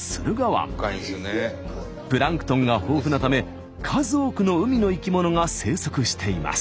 プランクトンが豊富なため数多くの海の生き物が生息しています。